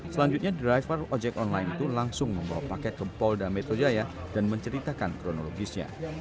selanjutnya driver ojek online itu langsung membawa paket ke polda metro jaya dan menceritakan kronologisnya